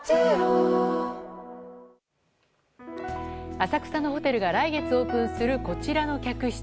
浅草のホテルが来月オープンする、こちらの客室。